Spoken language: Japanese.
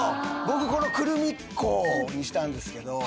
僕このクルミッ子にしたんですけど。